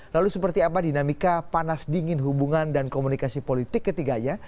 lalu seperti apa dinamika panas dingin hubungan dan komunikasi politik ketiganya